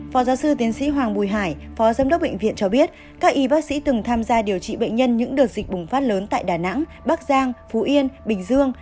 phó giáo sư tiến sĩ hoàng bùi hải phó giám đốc bệnh viện cho biết các y bác sĩ từng tham gia điều trị bệnh nhân những đợt dịch bùng phát lớn tại đà nẵng bắc giang phú yên bình dương